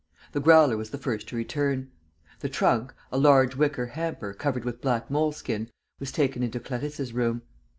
The Growler was the first to return. The trunk, a large wicker hamper covered with black moleskin, was taken into Clarisse's room.